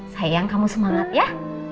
sayang kamu semangat ya